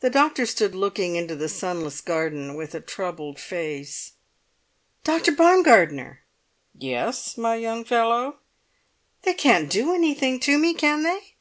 The doctor stood looking into the sunless garden with a troubled face. "Dr. Baumgartner!" "Yes, my young fellow?" "They can't do anything to me, can they?"